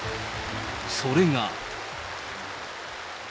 それが。